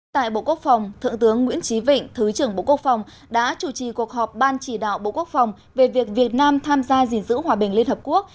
tại bộ quốc phòng thượng tướng nguyễn trí vịnh thứ trưởng bộ quốc phòng đã chủ trì cuộc họp ban chỉ đạo bộ quốc phòng về việc việt nam tham gia gìn giữ hòa bình liên hợp quốc